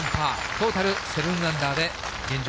トータル７アンダーで、現状